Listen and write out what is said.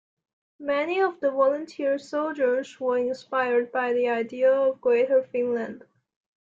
Many of the volunteer soldiers were inspired by the idea of Greater Finland.